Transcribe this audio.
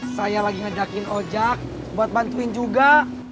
saya lagi ngejakin ojak buat bantuin juga